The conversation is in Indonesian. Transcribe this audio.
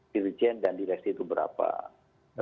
dirijen dan direksi itu berapa oke